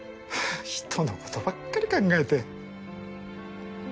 人のことばっかり考えて。